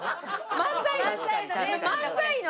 漫才の！